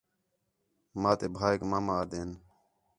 ماں تے بھاک ماما آہدے ہین